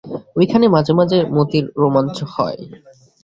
ওইখানে মাঝে মাঝে মতির রোমাঞ্চ হয়।